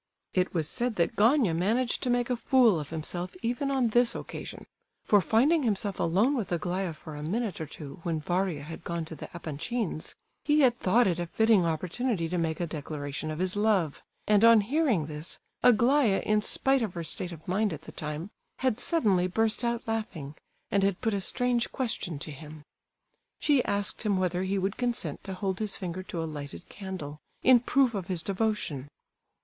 It was said that Gania managed to make a fool of himself even on this occasion; for, finding himself alone with Aglaya for a minute or two when Varia had gone to the Epanchins', he had thought it a fitting opportunity to make a declaration of his love, and on hearing this Aglaya, in spite of her state of mind at the time, had suddenly burst out laughing, and had put a strange question to him. She asked him whether he would consent to hold his finger to a lighted candle in proof of his devotion!